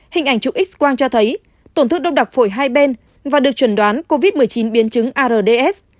hình ảnh chụp x quang cho thấy tổn thương đông đặc phổi hai bên và được chuẩn đoán covid một mươi chín biến chứng ards